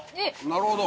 なるほど。